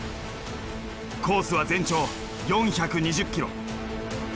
コースは全長４２０ｋｍ。